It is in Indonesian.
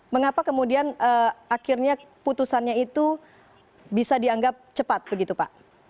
mengapa kemudian akhirnya putusannya itu bisa dianggap cepat begitu pak